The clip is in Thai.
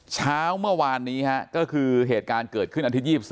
เช้าเมื่อวานนี้ค่ะก็คือเหตุการณ์เกิดขึ้นอ๒๔